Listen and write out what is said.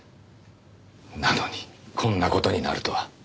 なのにこんな事になるとは。